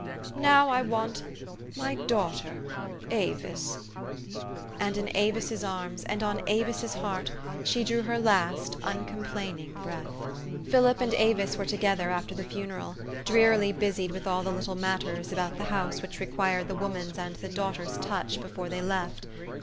Now I want my daughter, Avis. '' And in Avis's arms and on Avis's heart she drew her last uncomplaining breath. Philip and Avis were together after the funeral, drearily busied with all the little matters about the house which required the woman's and the daughter's touch before they left.